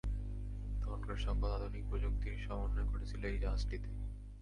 তখনকার সকল আধুনিক প্রযুক্তির সমন্বয় ঘটেছিল এ জাহাজটিতে।